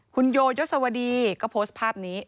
คุณโยยศวดีก็โพสต์ภาพนี้